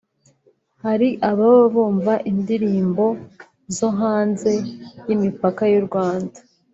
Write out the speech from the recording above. Hari ababa bumva indirimbo zo hanze y’imipaka y’u Rwanda